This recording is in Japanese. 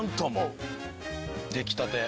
出来たて。